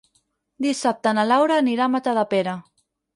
Dissabte na Laura anirà a Matadepera.